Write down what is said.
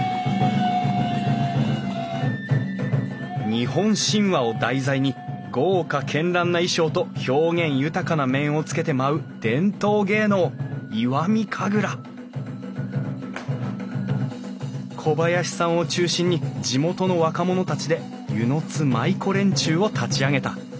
日本神話を題材に豪華絢爛な衣装と表現豊かな面をつけて舞う伝統芸能石見神楽小林さんを中心に地元の若者たちで温泉津舞子連中を立ち上げた。